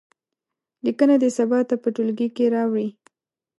لیکنه دې سبا ته په ټولګي کې واوروي.